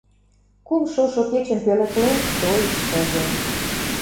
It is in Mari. Кум шошо кечым пöлеклен той шыже